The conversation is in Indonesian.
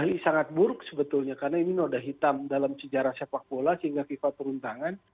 ini sangat buruk sebetulnya karena ini noda hitam dalam sejarah sepak bola sehingga fifa turun tangan